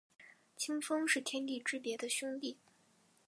清风是天地之别的兄弟。